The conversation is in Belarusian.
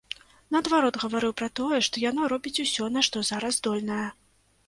Наадварот, гаварыў пра тое, што яна робіць усё, на што зараз здольная.